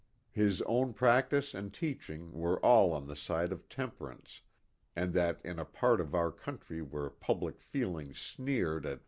His own practice and teaching were all on the side of temperance and that in a part of our country where public feeling sneered at 22 THE " DECK HAND."